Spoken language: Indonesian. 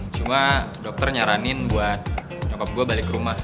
cuma dokter nyaranin buat nyokap gue balik rumah